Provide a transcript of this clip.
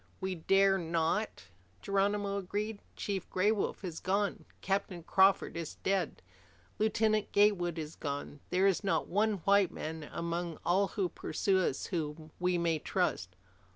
"We dare not," Geronimo agreed. "Chief Gray Wolf is gone. Captain Crawford is dead. Lieutenant Gatewood is gone. There is not one white man among all who pursue us whom we may trust.